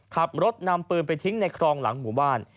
ขับรถนำปืนไปทิ้งในคลองหลังหมู่บ้าน